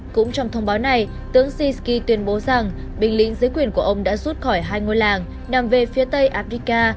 cũng trong thông báo này tướng sisky tuyên bố rằng binh lính dưới quyền của ông đã rút khỏi hai ngôi làng nằm về phía tây agrika